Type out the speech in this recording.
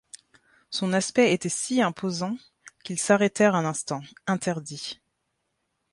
Son aspect était si imposant qu’ils s’arrêtèrent un instant, interdits.